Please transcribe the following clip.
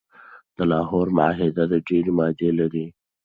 د لاهور معاهده ډیري مادي لري.